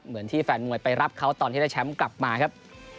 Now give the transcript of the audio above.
เหมือนที่แฟนมวยไปรับเขาตอนที่ได้แชมป์กลับมาครับ